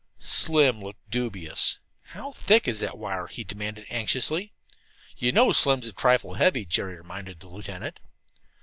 Slim looked dubious. "How thick is that wire?" he demanded anxiously. "You know Slim's a trifle heavy," Jerry reminded the lieutenant.